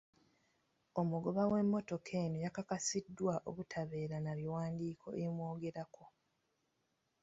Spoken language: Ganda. Omugoba w'emmotoka eno yakakasiddwa obutabeera na biwandiiko ebimwogerako.